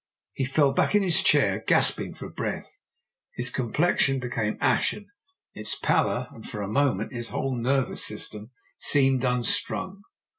He fell back in his chair gasping for breath, his complexion became ashen in its pallor, and for a moment his whole nervous system seemed unstrung.